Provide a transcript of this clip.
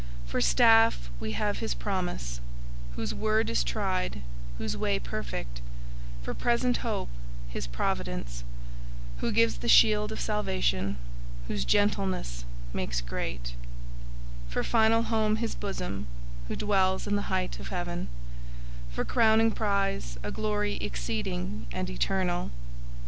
For staff we have His promise, whose "word is tried, whose way perfect:" for present hope His providence, "who gives the shield of salvation, whose gentleness makes great;" for final home His bosom, who "dwells in the height of Heaven;" for crowning prize a glory, exceeding and eternal.